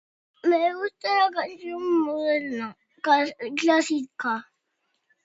Me gusta la canción moderna, ca...clásica.